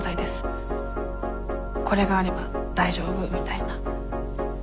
これがあれば大丈夫みたいな。